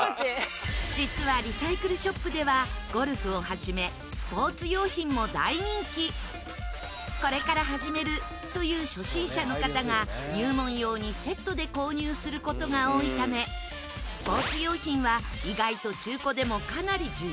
実はリサイクルショップではゴルフをはじめこれから始めるという初心者の方が入門用にセットで購入する事が多いためスポーツ用品は意外と中古でもかなり需要があるんだそう。